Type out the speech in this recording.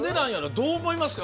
どう思いますか？